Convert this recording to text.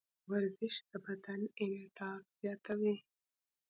ورزش د بدن انعطاف زیاتوي.